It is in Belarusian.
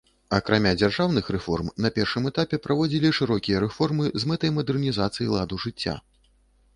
Акрамя дзяржаўных рэформ на першым этапе праводзілі шырокія рэформы з мэтай мадэрнізацыі ладу жыцця.